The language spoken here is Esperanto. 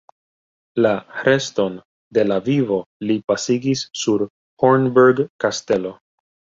La reston de la vivo li pasigis sur Hornberg-kastelo.